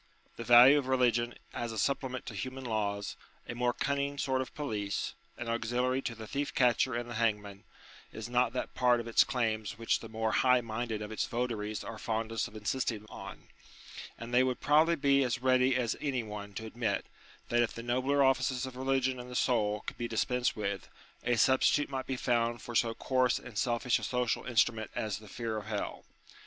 The value of religion as a supplement to human laws, a more cunning sort of police, an auxiliary to the thief catcher and the hangman, is not that part of its claims which the more highminded of its votaries are fondest of insisting on : and they would probably be as ready as any one to admit, that if the nobler offices of religion in the soul could be dispensed with, a substitute might be found for so coarse and selfish a social instrument as the fear of hell.